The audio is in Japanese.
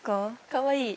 かわいい。